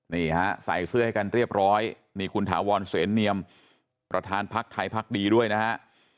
นี่ฮะใส่เสื้อให้กันเรียบร้อยนี่คุณถาวรเสนเนียมประธานพักไทยพักดีด้วยนะฮะ